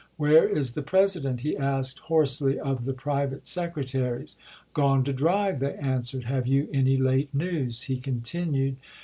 " Where is the President 1 " he asked hoarsely of the private secretaries. " Gone to drive," they answered. "Have you any late news ?" he continued.